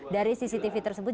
dari cctv tersebut